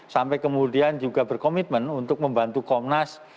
sampai kemudian juga berkomitmen untuk membantu komnas